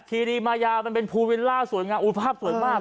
คีรีมายามันเป็นภูวิลล่าสวยงามอุ้ยภาพสวยมาก